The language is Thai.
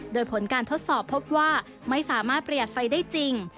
โดยผลการทดสอบพบว่าไม่สามารถประหยัดไฟได้จริง